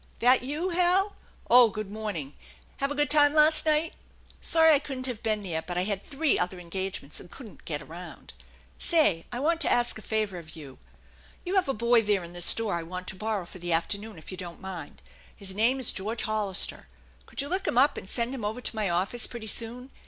That you, Hal ? Oh, good morning ! Have a good time last night ? Sorry I couldn't have been there, but I had three other engagements and couldn't get around. Say, I want to ask a favor of you. You have a boy there in the store I want to borrow for the afternoon if you don't mind. His name is George Hollister. Could you look him up and send him over to my office pretty soon